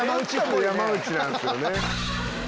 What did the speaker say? もう山内なんすよね。